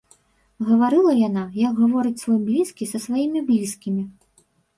Гаварыла яна, як гаворыць свой блізкі са сваімі блізкімі.